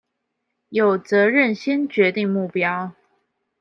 有責任先決定目標